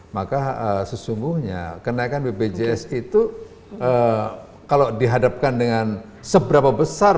maka sesungguhnya kenaikan bpjs itu kalau dihadapkan dengan seberapa besar